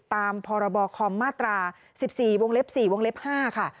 ตามพรบคอมมาตรา๑๔วงเล็บ๔วงเล็บ๕ค่ะ